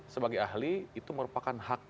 sebagai ahli itu merupakan hak